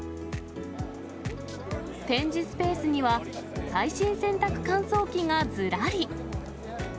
展示スペースには、最新洗濯乾燥機がずらり。